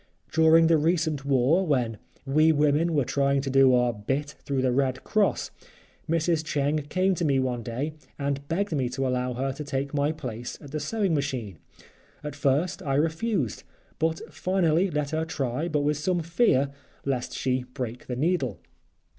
During the recent war, when we women were trying to do our "bit" through the Red Cross, Mrs. Cheng came to me one day and begged me to allow her to take my place at the sewing machine. At first I refused, but finally let her try but with some fear lest she break the needle.